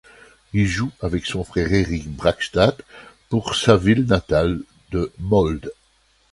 Il joue avec son frère Erik Brakstad pour sa ville natale de Molde.